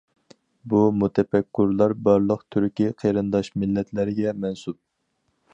بۇ مۇتەپەككۇرلار بارلىق تۈركىي قېرىنداش مىللەتلەرگە مەنسۇپ.